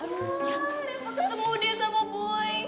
aduh reva ketemu dia sama bu